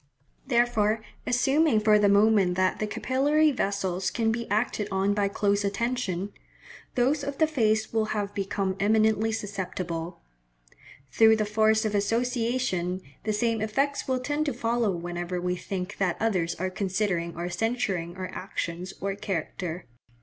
Therefore, assuming for the moment that the capillary vessels can be acted on by close attention, those of the face will have become eminently susceptible. Through the force of association, the same effects will tend to follow whenever we think that others are considering or censuring our actions or character.